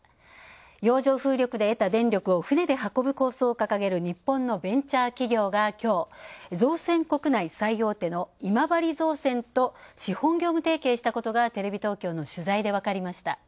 洋上風力で得た電力を船で運ぶ構想を掲げる日本のベンチャー企業が、きょう造船国内最大手の今治造船と資本業務提携したことがテレビ東京の取材で分かりました。